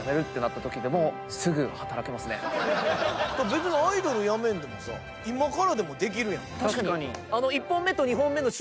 別にアイドル辞めんでもさ今からでもできるやん。